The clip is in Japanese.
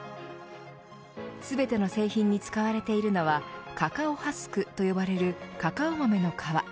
全ての製品に使われているのはカカオハスクと呼ばれるカカオ豆の皮。